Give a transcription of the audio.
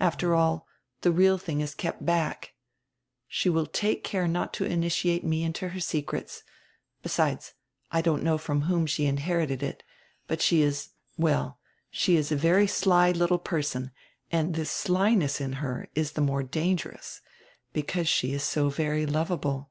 After all, the real tiling is kept back. She will take care not to initiate me into her secrets. Be sides, I don't know from whom she inherited it, but she is — well, she is a very sly little person and this slyness in her is the more dangerous because she is so very lovable."